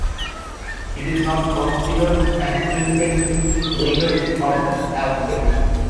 It is not considered an independent letter of the alphabet.